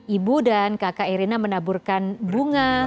ibu dan kakak irina menaburkan bunga